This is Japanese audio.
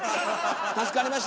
助かりました！